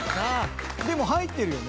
でも入ってるよね。